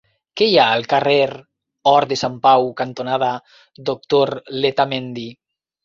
Què hi ha al carrer Hort de Sant Pau cantonada Doctor Letamendi?